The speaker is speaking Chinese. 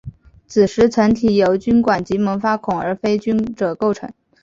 子实层体由菌管及萌发孔而非菌褶构成。